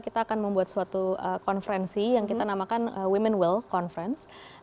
kita akan membuat suatu konferensi yang kita namakan women will conference